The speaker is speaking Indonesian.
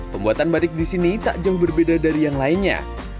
pembuatan batik di sini tak jauh berbeda dari yang lainnya